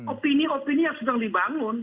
opini opini yang sedang dibangun